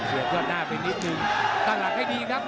เผื่อเพื่อนหน้าไปนิดหนึ่งตั้งหลักให้ดีครับ